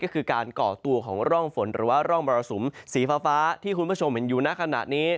ก็คือการก่อตัวของร่องฝนหรือว่าร่องมรสุมสีฟ้าที่คุณผู้ชมเห็นอยู่ในขณะนี้